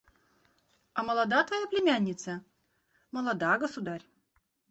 – «А молода твоя племянница?» – «Молода, государь».